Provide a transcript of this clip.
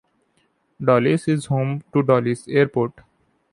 Dolise is home to Dolisie Airport.